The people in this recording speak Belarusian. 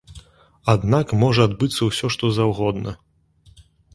Аднак можа адбыцца ўсё што заўгодна.